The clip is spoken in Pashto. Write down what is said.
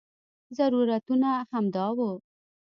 ضرورتونه همدا وو.